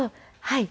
はい。